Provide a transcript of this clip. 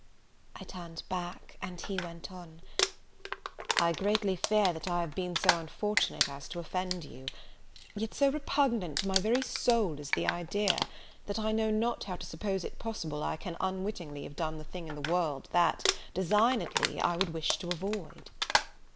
I turned back, and he went on, "I greatly fear that I have been so unfortunate as to offend you; yet so repugnant to my very soul is the idea, that I know not how to suppose it possible I can unwittingly have done the thing in the world that, designedly, I would wish to avoid."